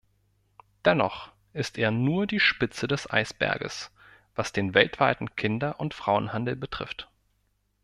Dennoch ist er nur die Spitze des Eisberges, was den weltweiten Kinder- und Frauenhandel betrifft.